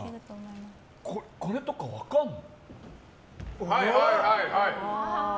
これとか分かるの？